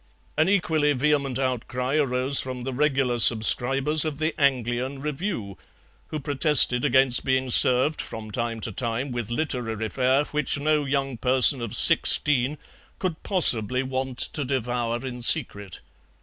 An equally vehement outcry arose from the regular subscribers of the ANGLIAN REVIEW who protested against being served from time to time with literary fare which no young person of sixteen could possibly want to devour in secret.